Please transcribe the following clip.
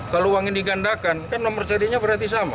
kalau uang ini digandakan kan nomor jadinya berarti sama